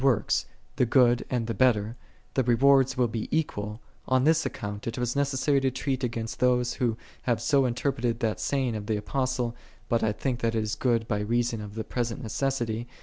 works, the good ;ind the better, the rewards will be equal, on this account it was ne< to treat against those, who have so interpreted that saying <>t the Apostle, " I'.ut I think that this is good by reason of the present neces sity,"1 .